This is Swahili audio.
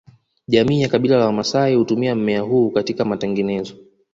Jamii ya Kabila la Wamaasai hutumia mmea huu katika matengenezo